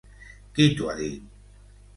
Qui t'ho ha dit?